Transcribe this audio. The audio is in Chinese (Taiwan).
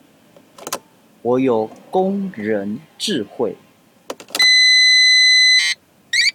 我有工人智慧